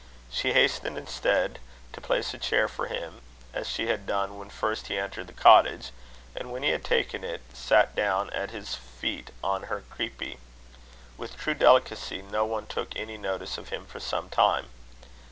She hastened, instead, to place a chair for him as she had done when first he entered the cottage, and when he had taken it sat down at his feet on her creepie. With true delicacy, no one took any notice of him for some time.